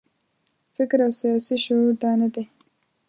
فکر او سیاسي شعور دا نه دی.